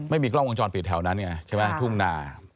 ไม่มีกล้องวงจรปิดแถวนั้นไงใช่ไหมทุ่งนา